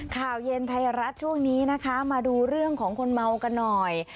ข่าวเย็นไทยรัฐช่วงนี้นะคะมาดูเรื่องของคนเมากันหน่อย